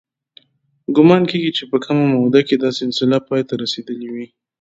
ګومان کېږي چې په کمه موده کې دا سلسله پای ته رسېدلې وي.